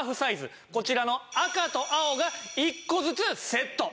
こちらの赤と青が１個ずつセット。